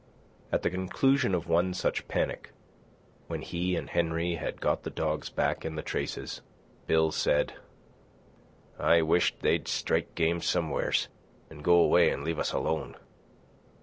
At the conclusion of one such panic, when he and Henry had got the dogs back in the traces, Bill said: "I wisht they'd strike game somewheres, an' go away an' leave us alone."